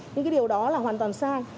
nhưng điều đó là hoàn toàn sai